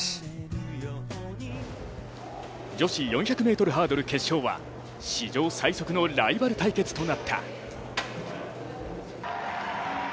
女子４００ｍハードル決勝は史上最速のライバル対決となった。